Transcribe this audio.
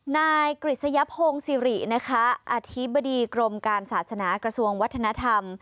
นายกฤษยพงศิรินะคะอธิบดีกรมการศาสนากระทรวงวัฒนธรรม